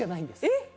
えっ？